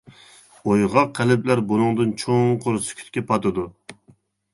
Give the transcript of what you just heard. ئويغاق قەلبلەر بۇنىڭدىن چوڭقۇر سۈكۈتكە پاتىدۇ.